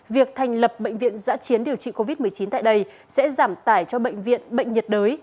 việc thành lập bệnh viện giã chiến điều trị covid một mươi chín tại đây sẽ giảm tải cho bệnh viện bệnh nhiệt đới